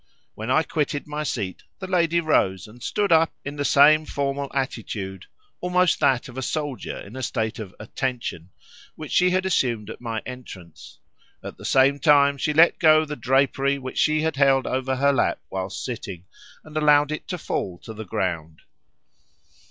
When I quitted my seat the lady rose and stood up in the same formal attitude (almost that of a soldier in a state of "attention") which she had assumed at my entrance; at the same time she let go the drapery which she had held over her lap whilst sitting and allowed it to fall to the ground.